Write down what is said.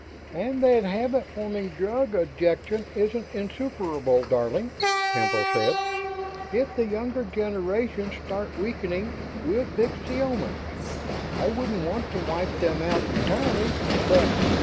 "And that 'habit forming drug' objection isn't insuperable, darling," Temple said. "If the younger generations start weakening we'll fix the Omans. I wouldn't want to wipe them out entirely, but